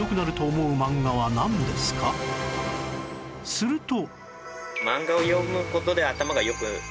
すると